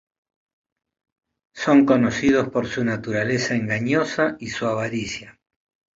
Son conocidos por su naturaleza engañosa y su avaricia.